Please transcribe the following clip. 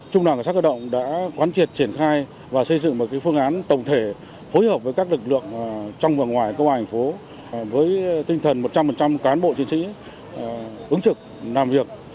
trung đảng cảnh sát cơ động đã quán triệt triển khai và xây dựng một phương án tổng thể phối hợp với các lực lượng trong và ngoài công an thành phố với tinh thần một trăm linh cán bộ chiến sĩ ứng trực làm việc